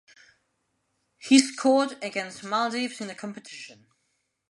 He scored against Maldives in the competition.